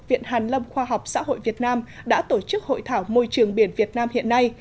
viện hàn lâm khoa học xã hội việt nam đã tổ chức hội thảo môi trường biển việt nam hiện nay